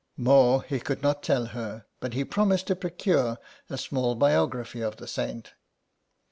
More he could not tell her, but he promised to procure a small biography of the saint.